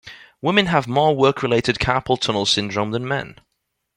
Women have more work-related carpal tunnel syndrome than men.